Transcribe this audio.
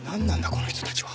この人たちは。